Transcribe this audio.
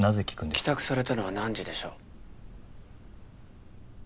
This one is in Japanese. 帰宅されたのは何時でしょう？